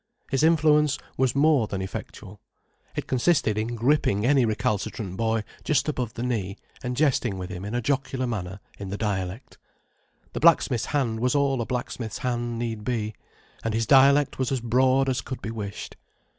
His influence was more than effectual. It consisted in gripping any recalcitrant boy just above the knee, and jesting with him in a jocular manner, in the dialect. The blacksmith's hand was all a blacksmith's hand need be, and his dialect was as broad as could be wished.